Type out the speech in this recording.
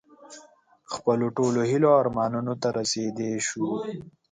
خپلو ټولو هیلو او ارمانونو ته رسېدی شو.